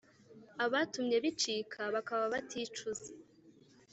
abatumye bicika bakaba baticuza